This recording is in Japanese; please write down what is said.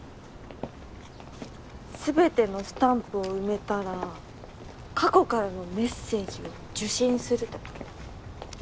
すべてのスタンプを埋めたら過去からのメッセージを受信するとか。